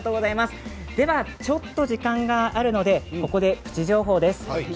ちょっと時間があるのでプチ情報です。